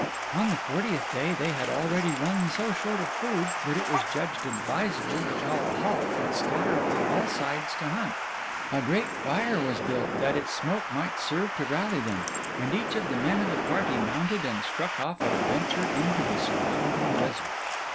On the fortieth day they had already run so short of food that it was judged advisable to call a halt and scatter upon all sides to hunt. A great fire was built, that its smoke might serve to rally them; and each man of the party mounted and struck off at a venture into the surrounding desert.